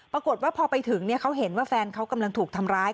ปรากฏว่าพอไปถึงเขาเห็นว่าแฟนเขากำลังถูกทำร้าย